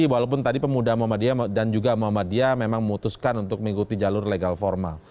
walaupun tadi pemuda muhammadiyah dan juga muhammadiyah memang memutuskan untuk mengikuti jalur legal formal